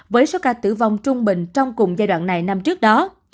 với số ca tử vong trung bình trong cùng giai đoạn này năm trước đó